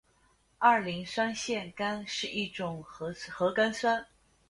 二磷酸腺苷是一种核苷酸。